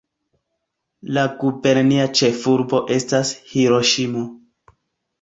La gubernia ĉefurbo estas Hiroŝimo.